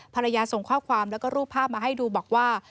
ภรรยาส่งข้อความแล้วก็รูปภาพมาให้ดูบอกว่า